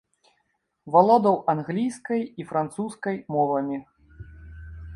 Валодаў англійскай і французскай мовамі.